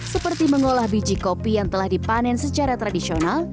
seperti mengolah biji kopi yang telah dipanen secara tradisional